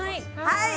はい！